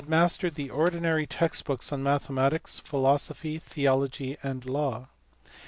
mastered the ordinary text books on mathematics, philo sophy, theology, and law.